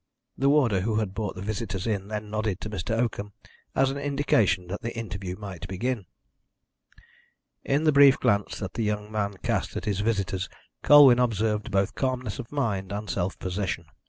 The warder who had brought the visitors in then nodded to Mr. Oakham, as an indication that the interview might begin. In the brief glance that the young man cast at his visitors Colwyn observed both calmness of mind and self possession.